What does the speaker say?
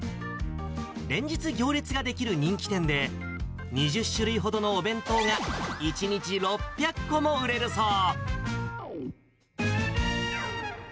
連日、行列が出来る人気店で、２０種類ほどのお弁当が１日６００個も売れるそう。